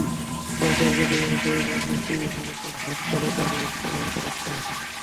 সরকার যদি মানুষের রুটি-রুজির ওপর হাত চালায়, তাহলে নিশ্চয়ই মানুষই রাস্তায় নামবে।